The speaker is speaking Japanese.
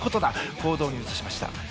行動に移しました。